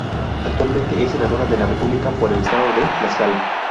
Actualmente es Senadora de la República por el Estado de Tlaxcala.